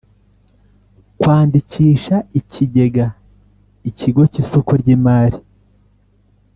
kwandikisha ikigega Ikigo cy isoko ry imari